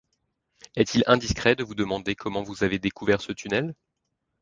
Est-il indiscret de vous demander comment vous avez découvert ce tunnel ?